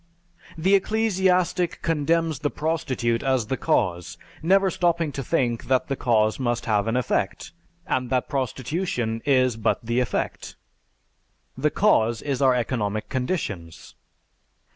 The ecclesiastic condemns the prostitute as the cause, never stopping to think that the cause must have an effect, and that prostitution is but the effect. The cause is our economic conditions.